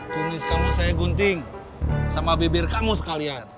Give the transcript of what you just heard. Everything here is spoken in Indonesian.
kumis kamu saya gunting sama bibir kamu sekalian